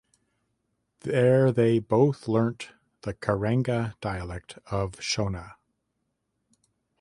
There they both learnt the Karanga dialect of Shona.